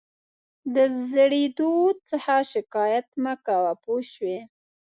د زړېدو څخه شکایت مه کوه پوه شوې!.